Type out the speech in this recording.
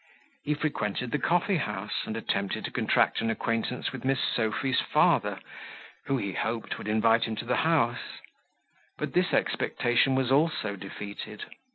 He frequented the coffee house, and attempted to contract an acquaintance with Miss Sophy's father, who, he hoped, would invite him to his house: but this expectation was also defeated.